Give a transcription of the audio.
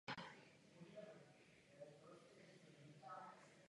Byl opět jmenován hráčem východní konference za měsíc únor.